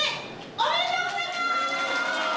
おめでとうございます！